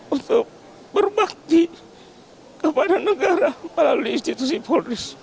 untuk berbakti kepada negara melalui institusi polri